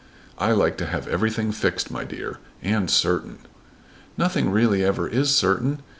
"I like to have everything fixed, my dear, and certain." "Nothing really ever is certain.